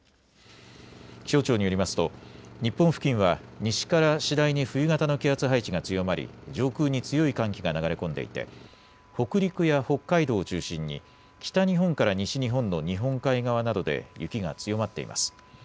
気象庁によりますと日本付近は西から次第に冬型の気圧配置が強まり上空に強い寒気が流れ込んでいて、北陸や北海道を中心に北日本から西日本の日本海側などで雪が強まっています。